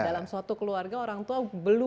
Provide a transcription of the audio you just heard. dalam suatu keluarga orang tua belum